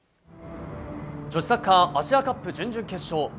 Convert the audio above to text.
女子サッカーアジアカップ準々決勝。